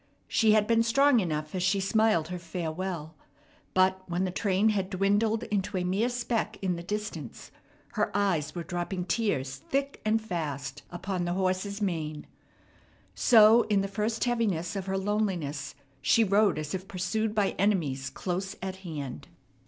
She had been strong enough as she smiled her farewell; but, when the train had dwindled into a mere speck in the distance, her eyes were dropping tears thick and fast upon the horse's mane. So in the first heaviness of her loneliness she rode as if pursued by enemies close at hand.